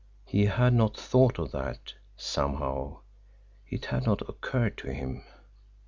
He had not thought of that somehow, it had not occurred to him!